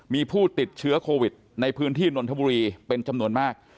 มีผู้ติดเชื้อโควิดในพื้นที่นนทบุรีเป็นจำนวนมาก